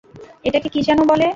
এটাকে কী যেন বলে?